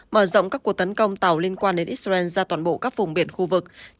mở rộng các cuộc tấn công tàu liên quan đến israel ra toàn bộ các vùng biển khu vực